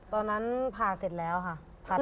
ตอนนั้นผ่าเสร็จแล้วค่ะ